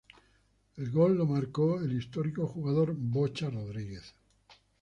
El gol lo marco el histórico jugador "Bocha Rodriguez".